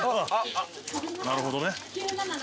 なるほどね。